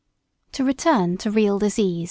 To return to real disease.